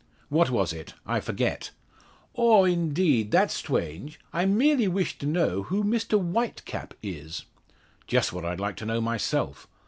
"What was it? I forget." "Aw, indeed! That's stwange. I merely wished to know who Mr White Cap is?" "Just what I'd like to know myself.